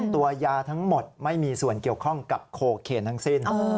ตัวยาทั้งหมดไม่มีส่วนเกี่ยวข้องกับโคเคนทั้งสิ้น